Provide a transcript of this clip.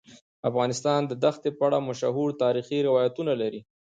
افغانستان د ښتې په اړه مشهور تاریخی روایتونه لري.